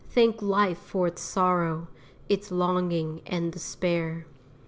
thank life for its sorrow, Its longing and despair.